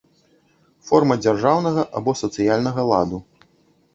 Форма дзяржаўнага або сацыяльнага ладу.